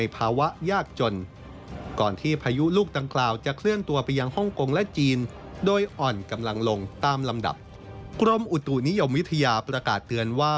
กรมอุตุนิยมวิทยาประกาศเตือนว่า